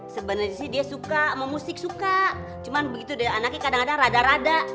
sebenarnya sih dia suka mau musik suka cuma begitu dia anaknya kadang kadang rada rada